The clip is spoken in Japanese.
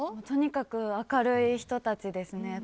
とにかく明るい人たちですね。